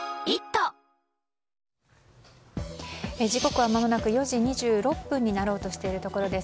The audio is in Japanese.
時刻は間もなく４時２６分になろうとしているところです。